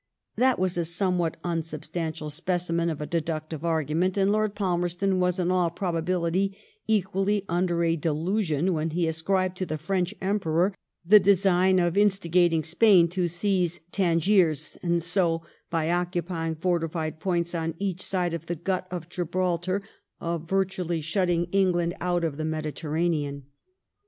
That was a somewhat unsubstantial specimen of a deductive argument, and Lord Palmerston was in all probability equally under at delusion when he ascribed to the French Emperor the design of instigating Spain to seize Tangiers, and so, by occupying fortified points on each side of the gut of Gibraltar, of virtually shutting England out of the Medi* FRANCE AND THE UNITED STATES. 219^ terranean.